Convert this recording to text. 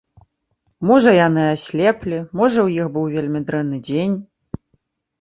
Можа, яны аслеплі, можа, у іх быў вельмі дрэнны дзень.